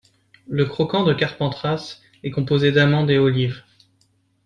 Le croquant de Carpentras est composé d’amandes et olives.